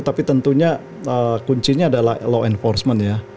tapi tentunya kuncinya adalah law enforcement ya